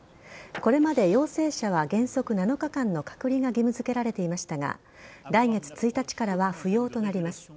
これまで陽性者は原則７日間の隔離が義務づけられていましたが、来月１日からは不要となります。